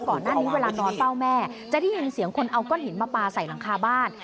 ก่อนหน้านี้เวลานอนเฝ้าแม่จะได้ยินเสียงคนเอาก้อนหินมาปลาใส่หลังคาบ้าน